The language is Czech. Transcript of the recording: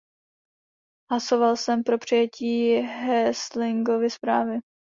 Hlasoval jsem pro přijetí Häuslingovy zprávy.